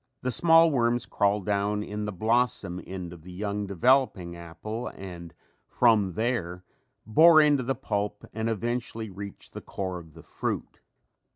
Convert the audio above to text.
The small worms crawl down in the blossom end of the young developing apple and from there bore into the pulp and eventually reach the core of the fruit.